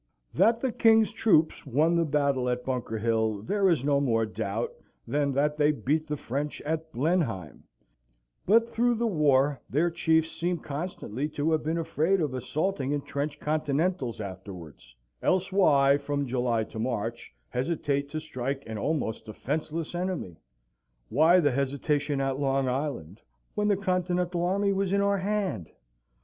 That the King's troops won the battle at Bunker's Hill, there is no more doubt than that they beat the French at Blenheim; but through the war their chiefs seem constantly to have been afraid of assaulting entrenched Continentals afterwards; else why, from July to March, hesitate to strike an almost defenceless enemy? Why the hesitation at Long Island, when the Continental army was in our hand?